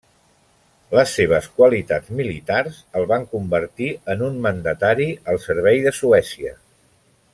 Les seves qualitats militars el van convertir en un mandatari al servei de Suècia.